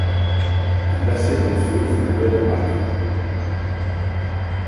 Un assez bon feu flambait dans l'âtre.